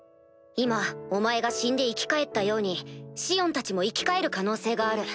今お前が死んで生き返ったようにシオンたちも生き返る可能性がある。